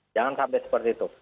jangan sampai seperti itu